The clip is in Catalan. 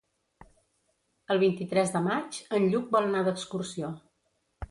El vint-i-tres de maig en Lluc vol anar d'excursió.